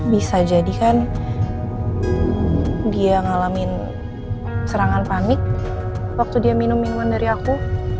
bisa jadi kan dia ngalamin serangan panik waktu dia minum minuman dari aku